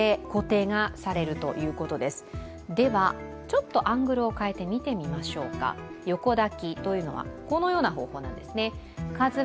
ちょっとアングルを変えて見てみましょうか。横抱きというのはこのような方法なんですね。